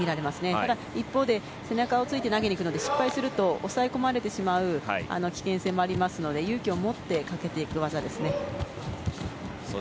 ただ、一方で背中をついて投げにいくので抑え込まれてしまう危険性もありますので勇気を持ってかけていく技ですね。